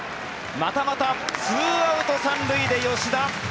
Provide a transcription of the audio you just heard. またまた２アウト３塁で吉田。